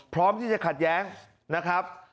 พร้อมที่จะขัดแย้งนะครับ